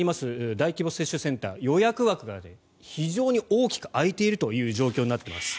大規模接種センター予約枠が非常に大きく空いているという状況になっています。